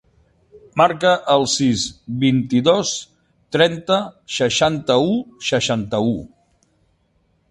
Marca el sis, vint-i-dos, trenta, seixanta-u, seixanta-u.